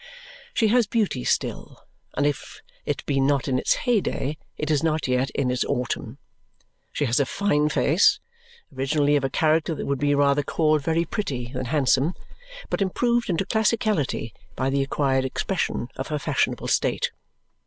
She has beauty still, and if it be not in its heyday, it is not yet in its autumn. She has a fine face originally of a character that would be rather called very pretty than handsome, but improved into classicality by the acquired expression of her fashionable state.